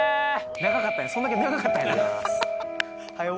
長かったんやそんだけ長かったんやははははっはよ